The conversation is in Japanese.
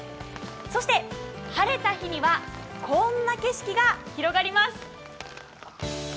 そして、晴れた日にはこんな景色が広がります。